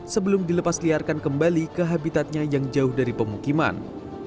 sebelum dilepasliarkan kembali ke habitatnya yang jauh dari pemukiman